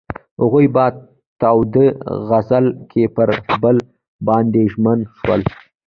هغوی په تاوده غزل کې پر بل باندې ژمن شول.